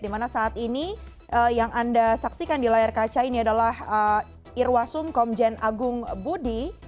dimana saat ini yang anda saksikan di layar kaca ini adalah irwasum komjen agung budi